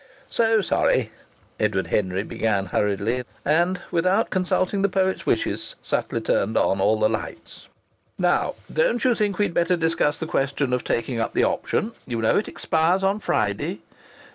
"So sorry!" Edward Henry began hurriedly, and, without consulting the poet's wishes, subtly turned on all the lights. "Now, don't you think we'd better discuss the question of taking up the option? You know, it expires on Friday."